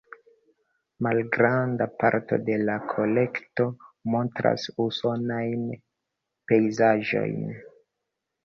Malgranda parto de la kolekto montras usonajn pejzaĝojn.